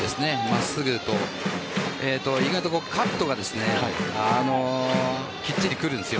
真っすぐと意外とカットがきっちり来るんです。